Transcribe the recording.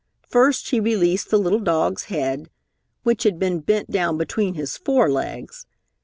First he released the little dog's head, which had been bent down between his fore legs.